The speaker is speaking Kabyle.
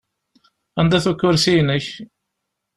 Anda-t ukursi-inek?